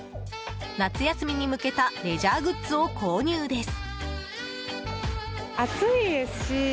夏休みに向けたレジャーグッズを購入です。